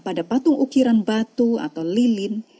pada patung ukiran batu atau lilin